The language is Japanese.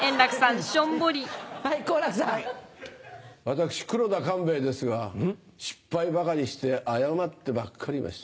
私黒田官兵衛ですが失敗ばかりして謝ってばっかりいました。